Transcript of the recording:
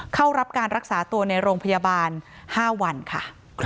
เข้ารับการรักษาตัวในโรงพยาบาล๕วันค่ะ